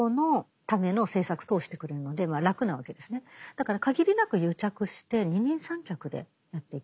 だから限りなく癒着して二人三脚でやっていく。